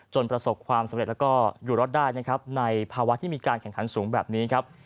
ประสบความสำเร็จแล้วก็อยู่รอดได้นะครับในภาวะที่มีการแข่งขันสูงแบบนี้ครับ